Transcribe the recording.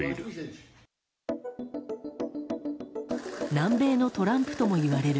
南米のトランプともいわれる